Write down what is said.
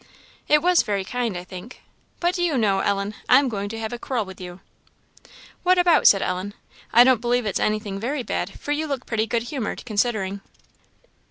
"It was very kind, I think. But do you know, Ellen, I am going to have a quarrel with you?" "What about?" said Ellen. "I don't believe it's anything very bad, for you look pretty good humoured, considering."